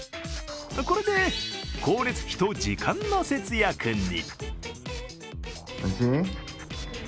これで光熱費と時間の節約に。